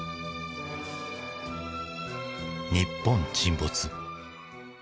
「日本沈没」。